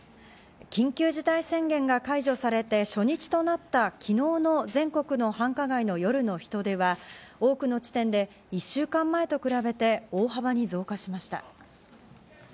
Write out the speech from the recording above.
緊急事態宣言が解除されて初日となった昨日の全国の繁華街の夜の人出は多くの地点で１週間前と比べて大幅に増加しました。